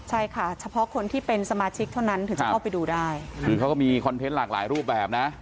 ใช่ค่ะเฉพาะคนที่เป็นสมาชิกเท่านั้นถึงจะเข้าไปดูได้คือเขาก็มีคอนเทนต์หลากหลายรูปแบบนะ